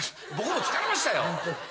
僕も疲れましたよ。